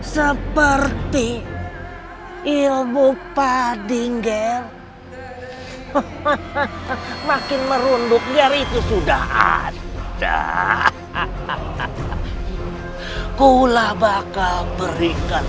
kamu itu sudah punya penangkan kamu itu sudah punya penangkan